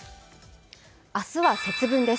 明日は節分です。